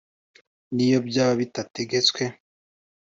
n’iyo byaba bitategetswe,